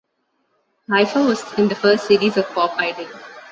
Haifa was in the first series of Pop Idol.